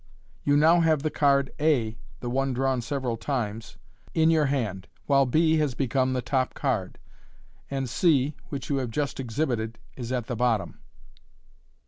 You now have the card a (the one drawn several times) in your hand, while b has become the top card, and c, which you have just exhibited, is at the bottom.